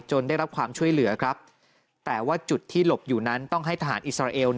ได้รับความช่วยเหลือครับแต่ว่าจุดที่หลบอยู่นั้นต้องให้ทหารอิสราเอล